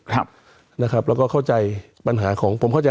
แล้วก็เข้าใจปัญหาของผม